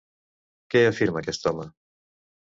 Què afirma aquest home?